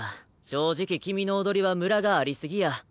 正直君の踊りはムラがあり過ぎや。